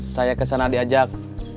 saya ke sana diajak